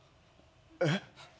えっ？